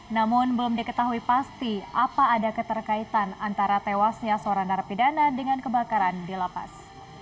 namun belum diketahui pasti apa ada keterkaitan antara tewasnya seorang narapidana dengan kebakaran di lapas